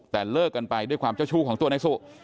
แต่เลิกกันไปด้วยความเจ้าชู้ของตัวนายสุ